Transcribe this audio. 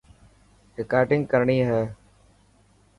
رڪارڊنگ ڪرڻي هي.